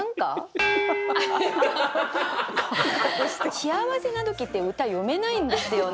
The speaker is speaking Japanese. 幸せな時って歌詠めないんですよね。